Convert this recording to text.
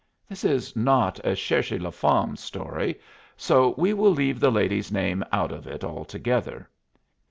This is not a cherchez la femme story, so we will leave the lady's name out of it altogether.